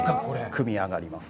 組み上がります。